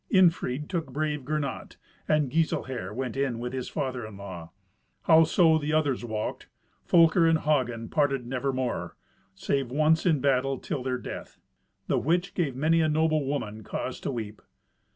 Irnfried took brave Gernot, and Giselher went in with his father in law. Howso the others walked, Folker and Hagen parted nevermore, save once in battle, till their death; the which gave many a noble woman cause to weep.